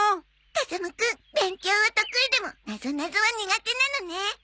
風間くん勉強は得意でもなぞなぞは苦手なのね。